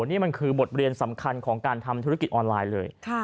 นี่มันคือบทเรียนสำคัญของการทำธุรกิจออนไลน์เลย